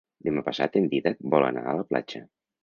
Demà passat en Dídac vol anar a la platja.